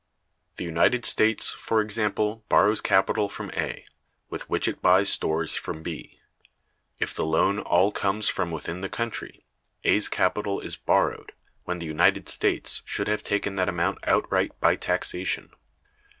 The United States, for example, borrows capital from A, with which it buys stores from B. If the loan all comes from within the country, A's capital is borrowed, when the United States should have taken that amount outright by taxation.